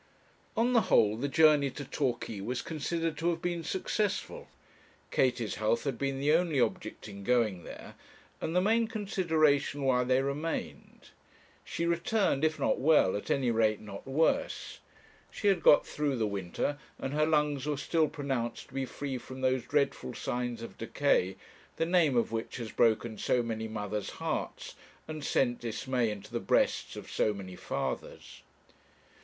On the whole, the journey to Torquay was considered to have been successful. Katie's health had been the only object in going there, and the main consideration while they remained. She returned, if not well, at any rate not worse. She had got through the winter, and her lungs were still pronounced to be free from those dreadful signs of decay, the name of which has broken so many mothers' hearts, and sent dismay into the breasts of so many fathers.